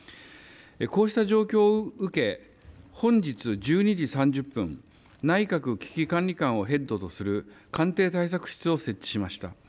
こうした状況を受け本日１２時３０分、内閣危機管理監をヘッドとする官邸対策室を設置しました。